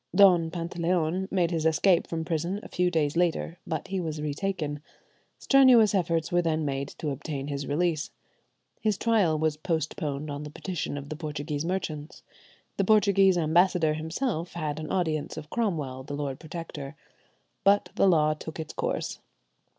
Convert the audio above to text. Don Pantaleon made his escape from prison a few days later, but he was retaken. Strenuous efforts were then made to obtain his release. His trial was postponed on the petition of the Portuguese merchants. The Portuguese ambassador himself had an audience of Cromwell, the Lord Protector. But the law took its course.